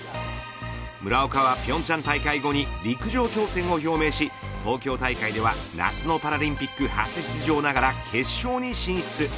村岡は平昌大会後に陸上挑戦を表明し、東京大会では夏のパラリンピック初出場ながら決勝に進出。